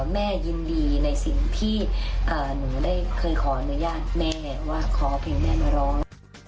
แม่ยินดีในสิ่งที่หนูได้เคยขออนุญาตแม่ว่าขอเพลงแม่มาร้อง